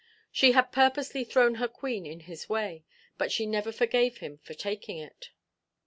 She had purposely thrown her queen in his way; but she never forgave him for taking it.